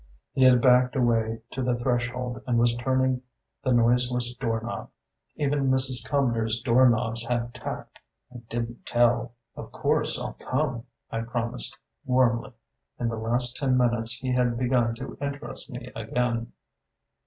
He had backed away to the threshold and was turning the noiseless door knob. Even Mrs. Cumnor's doorknobs had tact and didn't tell. "Of course I'll come," I promised warmly. In the last ten minutes he had begun to interest me again.